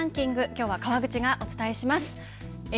きょうは川口がお伝えします。